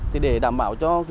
thì để đảm bảo cho